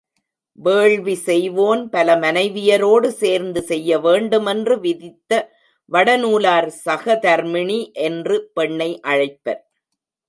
வேள்வி செய்வோன் பல மனைவியரோடு சேர்ந்து செய்ய வேண்டுமென்று விதித்த வடநூலார் சஹதர்மிணி என்று பெண்ணை அழைப்பர்.